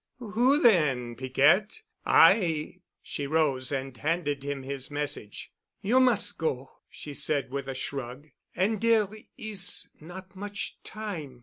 "Who then——? Piquette, I——" She rose, and handed him his message. "You mus' go," she said with a shrug, "an' dere is not much time.